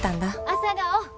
朝顔